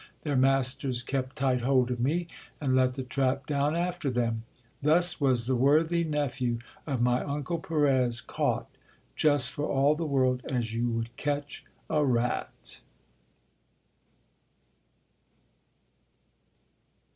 Their masters kept tight hold of me, and let the trap down after them. Thus was the worthy nephew of my uncle Perez caught, just for all the world as you would catch a rat.